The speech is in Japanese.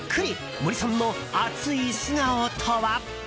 森さんの熱い素顔とは。